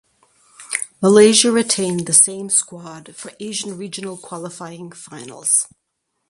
Malaysia retained the same squad for Asian Regional Qualifying Finals.